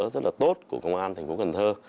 rất là tốt của công an thành phố cần thơ